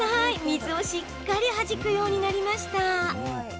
水をしっかりはじくようになりました。